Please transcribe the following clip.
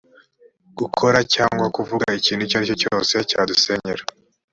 gukora cyangwa kuvuga ikintu icyo ari cyo cyose cyadusenyera